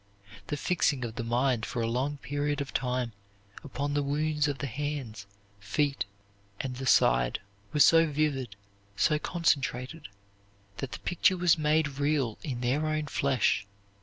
The fixing of the mind for a long period of time upon the wounds of the hands, feet, and the side, were so vivid, so concentrated, that the picture was made real in their own flesh.